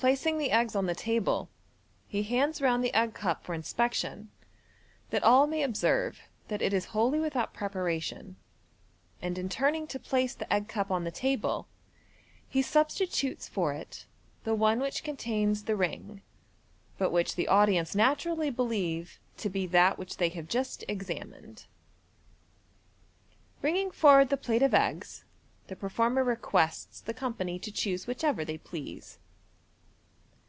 Placing the eggs on the table, he hands round the egg cup for inspection, that all may observe that 234 MODERN MAGIC. it is wholly without preparation, and in turning to place the egg cup on the table, he substitutes for it the one which contains the ring, but which the audience naturally believe to be that which they have just examined. Bringing forward the plate of eggs, the performer requests the company to choose whichever they please.